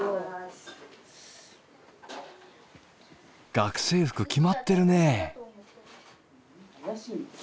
学生服決まってるね。